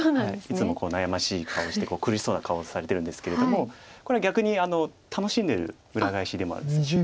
いつもこう悩ましい顔をして苦しそうな顔をされてるんですけれどもこれは逆に楽しんでる裏返しでもあるんです。